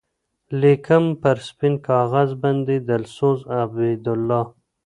لیکم پر سپین کاغذ باندی دلسوز عبیدالله